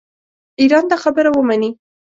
ایران دا خبره ومني.